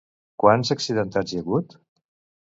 Quants accidentats hi ha hagut?